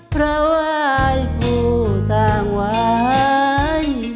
พระวายผู้ทางวาย